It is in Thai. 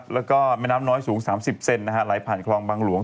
แล้วก็แม่น้ำน้อยสูง๓๐เซนไหลผ่านคลองบางหลวง